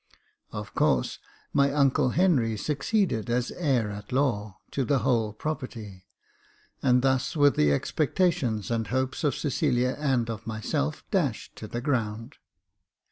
Of course, my uncle Henry succeeded as heir at law to the whole property, and thus were the Jacob Faithful ^t,^ expectations and hopes of Cecilia and of myself dashed to the ground.